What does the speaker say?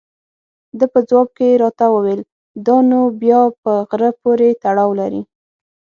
ده په ځواب کې راته وویل: دا نو بیا په غره پورې تړاو لري.